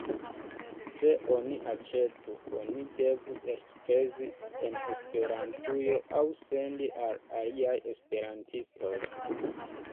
Se oni aĉetu, oni devu elspezi en Esperantujo aŭ sendi al aliaj esperantistoj.